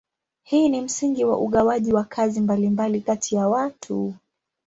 Hii ni msingi wa ugawaji wa kazi mbalimbali kati ya watu.